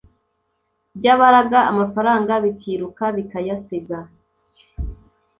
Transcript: byabaraga amafaranga bikiruka bikayasiga,